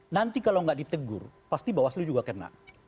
nanti kalau nggak ditegur pasti bawaslu juga kena